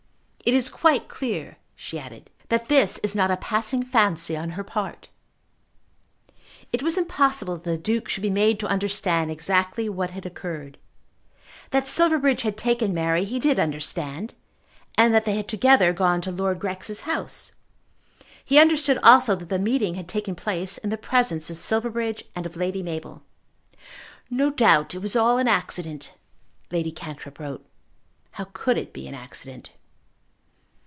"It is quite clear," she added, "that this is not a passing fancy on her part." It was impossible that the Duke should be made to understand exactly what had occurred. That Silverbridge had taken Mary he did understand, and that they had together gone to Lord Grex's house. He understood also that the meeting had taken place in the presence of Silverbridge and of Lady Mabel. "No doubt it was all an accident," Lady Cantrip wrote. How could it be an accident?